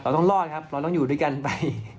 ต้องรอดครับเราต้องอยู่ด้วยกันไป